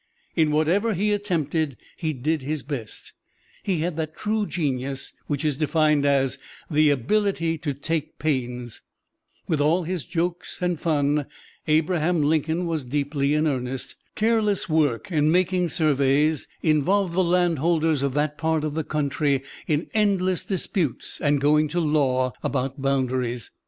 In whatever he attempted he did his best. He had that true genius, which is defined as "the ability to take pains." With all his jokes and fun Abraham Lincoln was deeply in earnest. Careless work in making surveys involved the landholders of that part of the country in endless disputes and going to law about boundaries.